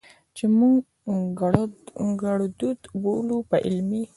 چې موږ ګړدود بولو، په علمي